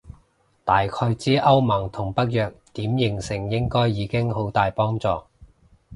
大概知歐盟同北約點形成應該已經好大幫助